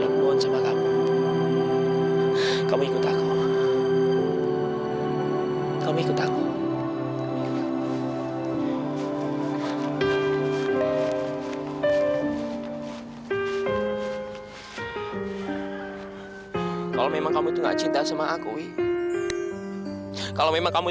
tolong udah tolong lepasin aku biarin aku pergi